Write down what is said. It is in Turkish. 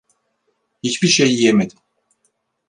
Hiçbir şey yiyemedim.